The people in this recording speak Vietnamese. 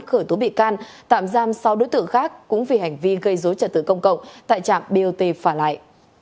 khởi tố bị can tạm giam sau đối tượng khác cũng vì hành vi gây dối trả tử công cộng tại trạm bot phản lại